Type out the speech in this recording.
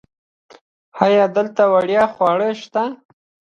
ایا دلته وړیا خواړه شته؟